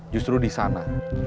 justru di sana